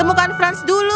tenang temukan franz dulu